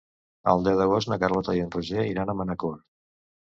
El deu d'agost na Carlota i en Roger iran a Manacor.